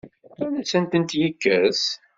Ad asent-tent-yekkes?